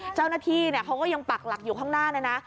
เจ้าหน้าที่เขาก็ยังปักหลักอยู่ข้างหน้าเลยนะ